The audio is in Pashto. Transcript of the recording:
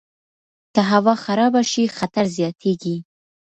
که هوا خرابه شي، خطر زیاتیږي.